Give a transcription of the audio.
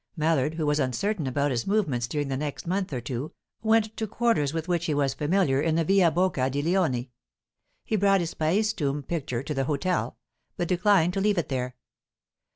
Mallard, who was uncertain about his movements during the next month or two, went to quarters with which he was familiar in the Via Bocca di Leone. He brought his Paestum picture to the hotel, but declined to leave it there.